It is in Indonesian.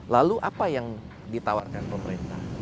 lalu apa yang ditawarkan pemerintah